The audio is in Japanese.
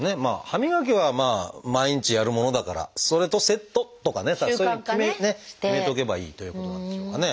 歯磨きは毎日やるものだからそれとセットとかねそういうふうにね決めとけばいいということなんでしょうかね。